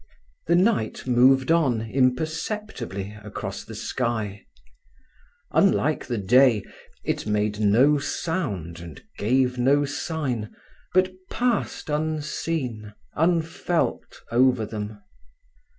The night moved on imperceptibly across the sky. Unlike the day, it made no sound and gave no sign, but passed unseen, unfelt, over them.